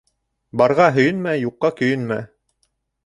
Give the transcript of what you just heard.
Барға һөйөнмә, юҡҡа көйөнмә.